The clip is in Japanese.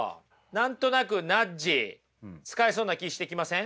何となくナッジ使えそうな気してきません？